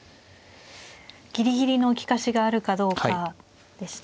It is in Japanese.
ギリギリの利かしがあるかどうかでした。